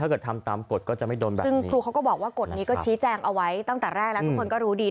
เกิดทำตามกฎก็จะไม่โดนแบบนี้ซึ่งครูเขาก็บอกว่ากฎนี้ก็ชี้แจงเอาไว้ตั้งแต่แรกแล้วทุกคนก็รู้ดี